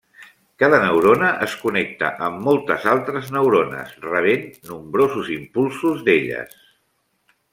Cada neurona es connecta amb moltes altres neurones, rebent nombrosos impulsos d’elles.